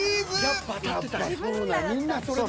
やっぱ当たってたんや。